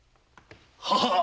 ははっ！